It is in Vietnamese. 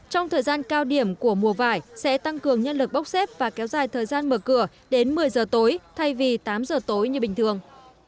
trong thời gian cao điểm của mùa vải sẽ tăng cường nhân lực bốc xếp và kéo dài thời gian mở cửa đến một mươi giờ tối thay vì tám giờ tối như bình thường